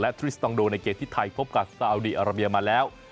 และทริสตองโดในเกณฑิสไทยพบกับสาวดีอาระเมียมาแล้ว